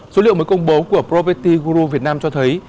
số liệu mới công bố của property guru việt nam cho thấy